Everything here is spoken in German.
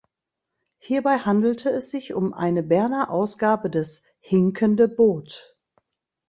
Hierbei handelte es sich um eine Berner Ausgabe des "Hinkende Bot".